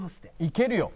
いけるよ。